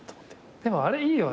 でもあれいいよね。